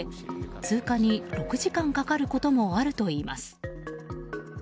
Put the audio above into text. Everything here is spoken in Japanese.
通過に６時間かかることもあるといいます。